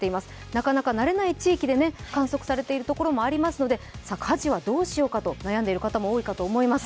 なかなか慣れない地域で観測されているところもありますので、家事はどうしようかと悩んでいる方も多いと思います。